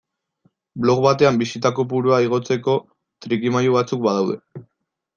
Blog batean bisita kopurua igotzeko trikimailu batzuk badaude.